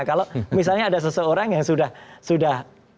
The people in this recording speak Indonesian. kalau misalnya ada seseorang yang sudah a satu